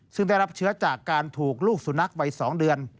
ซึ่งได้รับเชื้อจากการถูกลูกสุนัขวัย๒เดือน